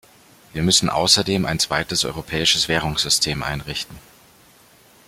Wir müssen außerdem ein zweites Europäisches Währungssystem einrichten.